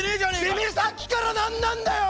てめぇさっきから何なんだよ！